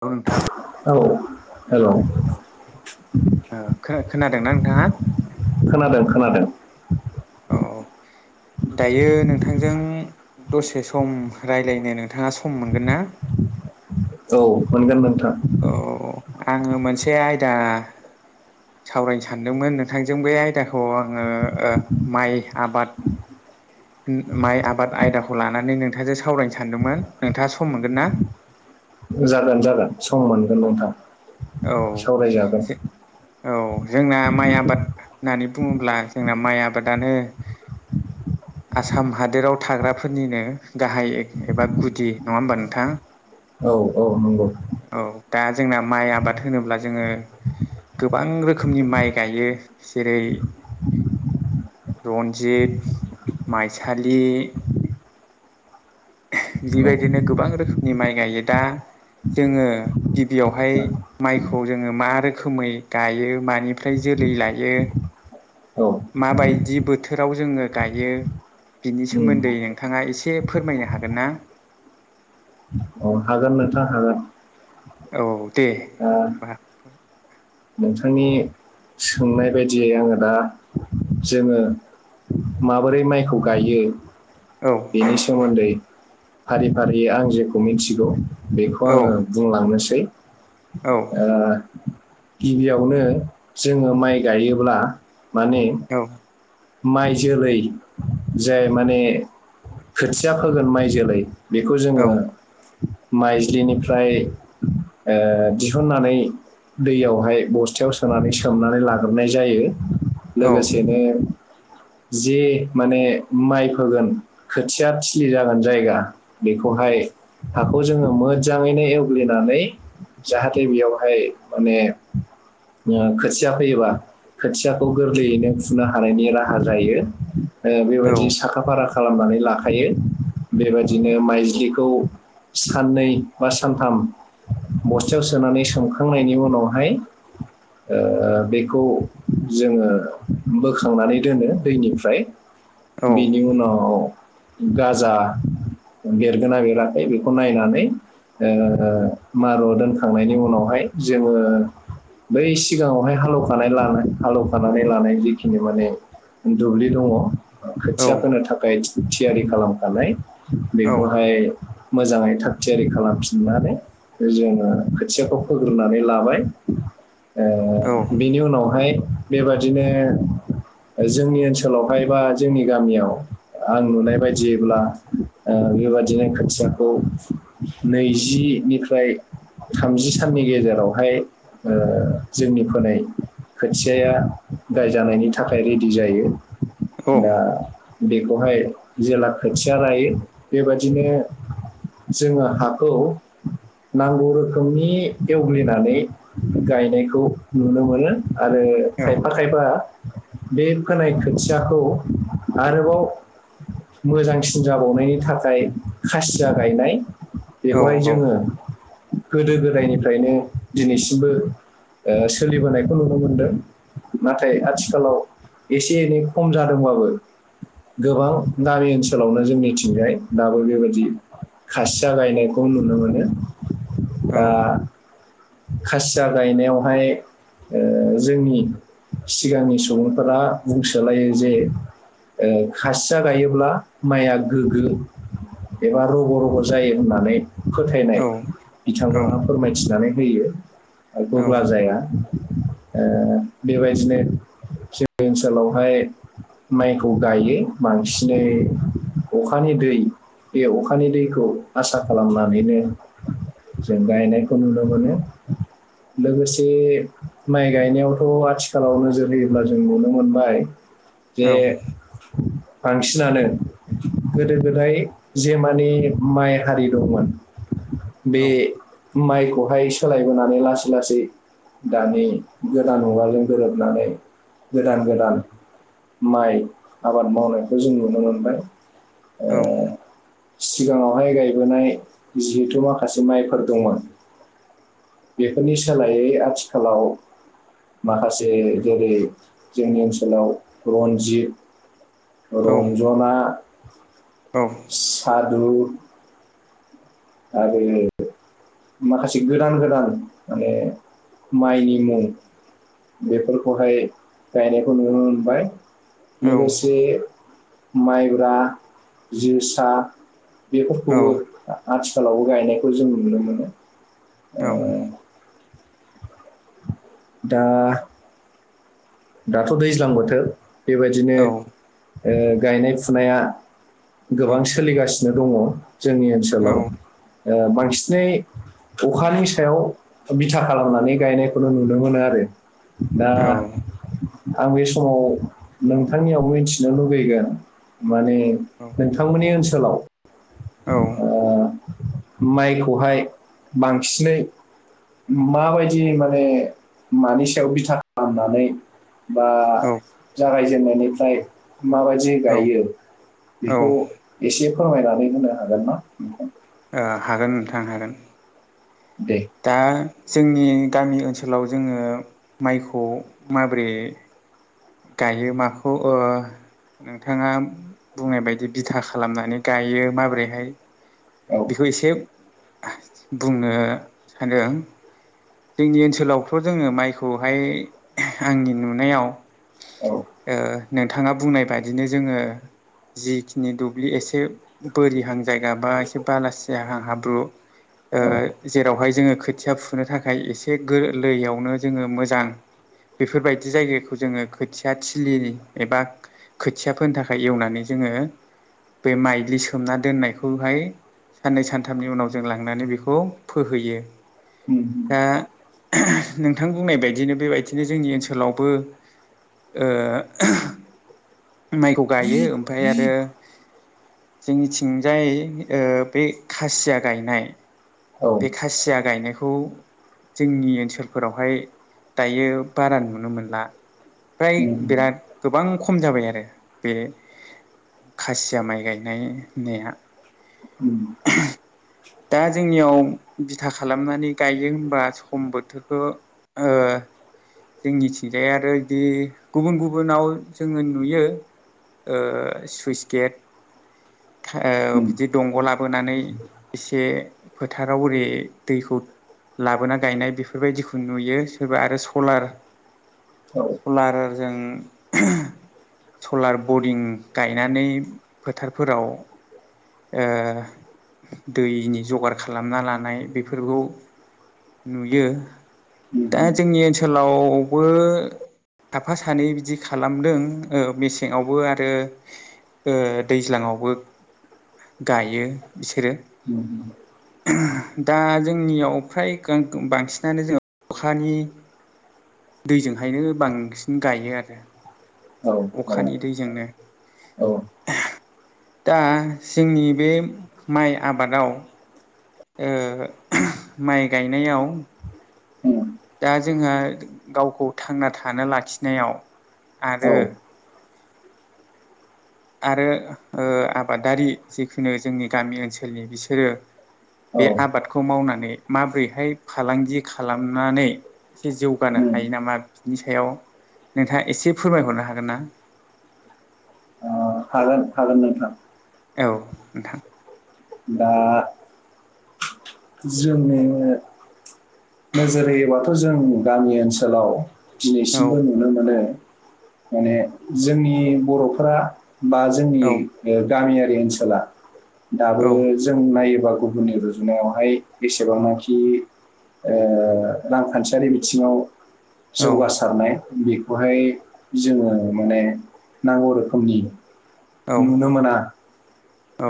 नोंथां हेलौ' औ ओ खोनादोंना नोंथाङा खोनादों खोनादों [unintelligible] औ दायो नोंथांजों दसे सम रायज्लायनो नोंथाङा सम मोनगोन ना [unintelligible] औ मोनगोन मोनगोन औ आङो मोनसे आयदा सावरायनो सानदोंमोन नोंथांजों बे आयदाखौ आङो माइ आबाद [unintelligible] माइ आबाद आयदाखौ लानानै नोंथाजो सावरायनो सानदोंमोन नोंथाङा सम मोनगोन ना [unintelligible] जागोन जागोन सम मोनगोन नोंथां औ सावरायजागोन औ जोंना माइ आबाद होननानै बुङोब्ला जोंना माइ आबादानो [unintelligible] आसाम हादोराव थाग्राफोरनिनो गाहाय एबा गुदि नङा होमबा नोंथां औ औ नंगौ औ दा जोंना माइ आबाद होनोब्ला जोङो गोबां रोखोमनि माइ गायो जेरै रन्जित माइसालि औ बेबायदिनो गोबां रोखोमनि माइ गायो दा जोङो गिबियावहाय माइखौ जोङो मा रोखोमै गायो मानिफ्राय जों जोलै लायो औ माबायदि बोथोराव जोङो गायो बिनि उम सोमोन्दै नोंथाङा एसे फोरमायनो हागोन ना अ हागोन नोंथां हागोन औ दे दा होनबा नोंथांनि सोंनाय बायदियै आङो दा जोङो माबोरै माइखौ गायो? औ बेनि सोमोन्दै फारि फारियै आं जेखौ मिथिगौ औ बेखौ आङो बुंलांनोसै। औ गिबियावनो जोङो माइ गायोब्ला माने माइ जोलै जाय माने खोथिया फोगोन माइ जोलै बेखौ जोङो माइज्लिनिफ्राय दिहुननानै दैयाव बेहाय बस्थायाव सोनानै सोमनानै लाग्रोनाय जायो। लोगोसेनो [inaudible] जे माने माइ फोगोन खोथिया थिलि जागोन जायगा बेखौहाय हाखौ जोङो मोजाङैनो एवग्लिनानै जाहाथे बेयावहाय माने [inaudible] जोङो खोथिया फैयोबा खोथियाखौ गोरलैयैनो फुनो हानायनि राहा जायो। ओ बेबायदि साखा फारा खालामनानै लाखायो। बेबायदिनो माइज्लिखौ साननै बा सानथाम बस्थायाव सोनानै सोमखांनायनि उनावहाय ओ बेखौ जोङो बोखांनानै दोनो दैनिफ्राय बेनि उनाव गाजा बेरगोना बेराखै बेखौ नायनानै ओ मार' दोनखांनायनि उनावहाय जोङो बै सिगाङावहाय हालौ खानाय लानाय हालौ खानानै लानाय जिखिनि माने दुब्लि दङ। खोथिया फोनो थाखाय थि-थियारि खालामखानाय बेखौहाय मोजाङै थाग थियारि खालामफिननानै जोङो खोथियाखौ फोग्रोनानै लाबाय। ओ बेनि उनावहाय बेबादिनो जोंनि ओनसोलावहाय बा जोंनि गामियाव आं नुनाय बायदिब्ला बेबादिनो खाथियाखौ नैजि निफ्राय थामजि साननि गेजेरावहाय जोंनि फोनाय खोथियाया गायजानायनि थाखाय रेडि जायो। दा बेखौहाय जेला खोथिया लायो। बेबदिनो जोङो हाखौ नांगौ रोखोमनि एवग्लिनानै गायनायखौ नुनो मोनो आरो खायफा खायफा बे फोनाय खोथियाखौ आरोबाव मोजांसिन जाबावनायनि थाखाय खासिया गायनाय बेखौहाय जोङो गोदो गोदायनिफ्रायनो दिनैसिमबो ओ सोलिबोनायखौ नुनो मोनदों। नाथाय आथिखालाव एसे एनै खम जादोंबाबो गोबां गामि ओनसोलावनो जोंनिथिंजाय दाबो बेबायदि खासिया गायनायखौ नुनो मोनो दा। खासिया गायनायावहाय ओ जोंनि सिगांनि सुबुंफोरा बुंसोलायो जे ओ खासिया गायोब्ला माइया गोग्गो एबा रग' रग' जायो होननानै फोथायनाय बिथांमोनहा फोरमायथिनानै होयो ओ गुब्ला जाया ओ बेबायदिनो जोंनि ओनसोलावहाय माइखौ गायो बांसिनै अखानि दै बे अखानि दैखौ आसा खालामनानैनो जों गायनायखौ नुदों मोनो। लोगोसे माइ गायनायावथ' आथिखालाव नोजोर होयोब्ला जों नुनो मोनबाय। जे [inaudible] बांसिनानो गोदो गोदाय जे मानि माइ हारि दंमोन बे माइखौहाय सोलायबोनानै लासै लासै दानि गोदान मुवाजों गोरोबनानै गोदान गोदान माइ आबाद मावनायखौ जों नुनो मोनबाय औ ओ सिगाङावहाय गायबोनाय जिहेथु माखासे माइफोर दंमोन बेफोरनि सोलायै आथिखालाव माखासे जेरै जोंनि ओनसोलाव रनजित औ औ रन्जना सादु आरो माखासे गोदान गोदान माने माइनि मुं बेफोरखौहाय गायनायखौ नुनो मोनबाय। ओ लोगोसे माइब्रा जोसा बेफोरखौबो आथिखालावबो गायनायखौ जों नुनो मोनो। औ दा दाथ' दैज्लां बोथोर बेबायदिनो ओ गायनाय फुनाया गोबां सोलिगासिनो दङ जोंनि ओनसोलाव ओ‌ बांसिनै अखानि सायाव बिथा खालामनानै गायनायखौनो नुनो मोनो आरो दा आं बे समाव नोंथांनियाव मिथिनो लुबैगोन माने नोंथांमोननि ओनसोलाव ओ माइखौहाय बांसिनै माबायदि माने मानि सायाव बिथा खालामनानै बा जागायजेननायनिफ्राय माबायदि गायो बेखौ एसे फोरमायनानै होनो हागोन नोंथां हागोन नोंथां हागोन दे दा जोंनि गामि ओनसोलाव जोङो माइखौ माबोरै गायो माखौ ओ नोंथाङा बुंनाय बायदि बिथा खालामनानै गायो माबोरैहाय औ बेखौ एसे बुंनो सानदों जोंनि ओनसोलावथ' जोङो माइखौहाय आंनि नुनायाव औ नोंथाङा बुंनाय बादिनो जोङो जिखिनि दुब्लि एसे बोरिहां जायगा बा एसे बालासिया हा हाब्रु औ जेरावहाय जोङो खोथिया फुनो थाखाय एसे गोरलैयावनो जोङो मोजां बेफोरबायदि जायगाखौ जोङो खोथिया थिलि एबा खोथिया फोनो थाखाय एवनानै जोङो बे माइलि सोमना दोननायखौहाय साननै सानथामनि उनाव जों लांनानै बेखौ फोहैयो उम दा नोंथां बुंनाय बायदिनो बेबायदिनो जोंनि ओनसोलावबो ओ माइखौ गायो ओमफ्राय आरो जोंनिथिंजाय ओ बे खासिया गायनाय औ बे उम खासिया गायनायखौ जोंनि ओनसोलफोरावहाय दायो बारा नुनो मोनला फ्राय उम बिराद गोबां खम जाबाय आरो बे खासिया माइ गायनाय होननाया उ दा जोंनियाव बिथा खालामनानै गायो होमबा सम बोथोरखौ ओ जोंनिथिंजाय आरो बिदि गुबुन गुबुनाव जोङो नुयो ओ सुइस गेट उम बिदि दंग' लाबोनानै एसे फोथाराव ओरै दैखौ लाबोना गायनाय बेफोरबायदिखौ नुयो सोरबा आरो सलार औ सलारजों सलार बरिं गायनानै फोथारफोराव ओ दैनि जगार खालामना लानाय बेफोरखौ नुयो दा उम जोंनि ओनसोलावबो साफा सानै बिदि खालामदों ओ मेसेंआवबो आरो ओ दैज्लाङावबो गायो बिसोरो उम उम दा जोंनियाव फ्राय बांसिनानो जोंङो अखानि दैजोंहायनो बांसिन गायो आरो औ औ औ अखानि दैजोंनो उम दा जोंनि बे माइ आबादाव ओ माइ गायनायाव दा जोंहा गावखौ थांना थानो लाखिनायाव औ आरो आरो ओ आबादारि जिखुनु जोंनि गामि ओनसोलनि बिसोरो बे आबादखौ मावनानै माबोरैहाय फालांगि खालामनानै एसे जौगानो उम ओ हायो नामा बिनि सायाव नोंथाङा एसे फोरमायहरनो हागोन ना हागोन हागोन नोंथां औ नोंथां दा जोंनिनो नोजोर होयोबाथ' जों गामि ओनसोलाव औ दिनैसिमबो नुनो मोनो माने जोंनि बर'फोरा बा जोंनि औ ओ गामियारि ओनसोला दाबो औ जों नायो- बा गुबुननि रुजुनायावहाय बेसेबांनाखि ओ रांखान्थियारि बिथिङाव औ जौगासारनाय बे बेवहाय जोङो माने नांगौ रोखोमनि औ नुनो मोना औ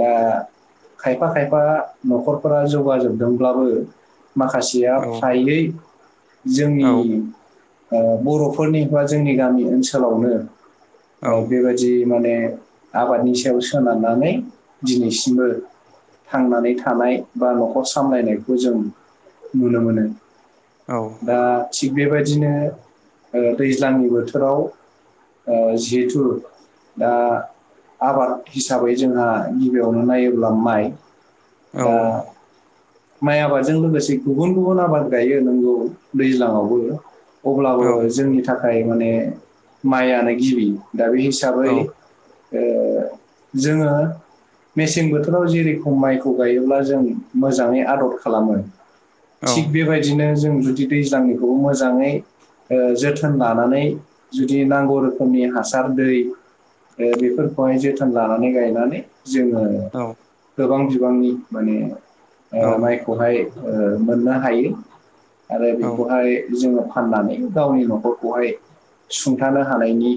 दा खायफा खायफा न'खरफोरा जौगाजोबदोंब्लाबो माखासेया औ फ्रायै जोंनि औ ओ बर'फोरनि बा जोंनि गामि ओनसोलावनो औ बेबादि माने आबादनि सायाव सोनारनानै दिनैसिमबो थांनानै थानाय बा न'खर सामलायनायखौ जों नुनो मोनो औ दा थिग बेबादिनो ओ दैज्लां बोथोराव ओ जिहेथु दा आबाद हिसाबै जोंहा गिबियावनो नायोब्ला माइ औ दा माइ आबादजों लोगोसे गुबुन गुबुन आबाद गायो नोंगौ दैज्लाङावबो अब्लाबो जोंनि थाखाय थाखाय माने माइआानो गिबि दा बे हिसाबै ओ [inaudible] जोङो मेसें बोथोराव जेरैखम माइखौ गायोब्ला जों मोजाङै आदद खालामो थिग बेबायदिनो जों जुदि दैज्लांनिखौबो मोजाङै ओ जोथोन लानानै जुदि नांगौ रोखोमनि हासार दै ओ बेफोरखौहाय जोथोन लानानै गायनानै जोङो गोबां बिबांनि माने ओ माइखौहाय ओ मोननो हायो आरो बेखौहाय जोङो फाननानै गावनि न'खरखौहाय सुंथानो हानायनि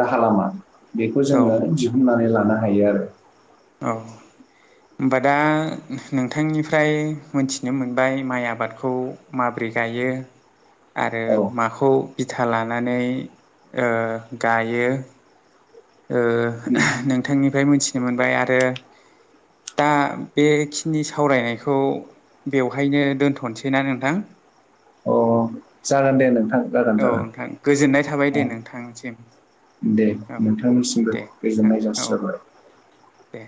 राहा लामा बेखौ औ जोङो दिहुननानै लानो हायो आरो औ होमबा दा नोंथांनिफ्राय मोनथिनो मोनबाय माइ आबादखौ माबोरै गायो गायो आरो माखौ बिथा लानानै गायो ओ औ नोंथांनिफ्राय मोनथिनो मोनबाय आरो दा बेखिनि सावरायनायखौ बेवहायनो दोनथसैना नोंथां अ जागोन दे नोंथां जागोन औ जागोन नोंथां गोजोननाय थाबाय अ दे नोंथांसिम दे औ नोंथांनिसिमबो गोजोननाय जासिहरबाय बेे